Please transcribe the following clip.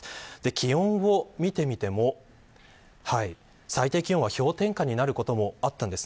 気温を見てみても最低気温は氷点下になることもありました。